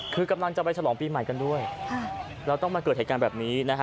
คือกำลังจะไปฉลองปีใหม่กันด้วยแล้วต้องมาเกิดเหตุการณ์แบบนี้นะฮะ